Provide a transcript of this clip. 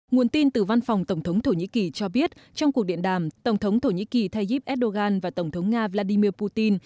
nguồn tin từ văn phòng tổng thống thổ nhĩ kỳ cho biết trong cuộc điện đàm tổng thống thổ nhĩ kỳ tayyip erdogan và tổng thống nga vladimir putin